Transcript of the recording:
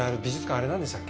あれなんでしたっけ？